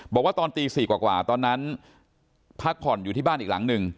บอกว่าตอนตี๔กว่าตอนนั้นพักผ่อนอยู่ที่บ้านอีกหลังหนึ่ง